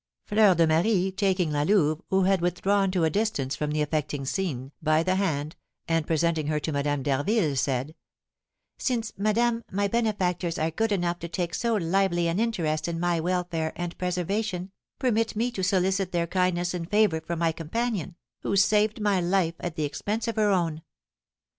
Fleur de Marie, taking La Louve, who had withdrawn to a distance from the affecting scene, by the hand, and presenting her to Madame d'Harville, said: "Since, madame, my benefactors are good enough to take so lively an interest in my welfare and preservation, permit me to solicit their kindness and favour for my companion, who saved my life at the expense of her own."